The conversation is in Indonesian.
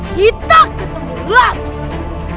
kita ketemu lagi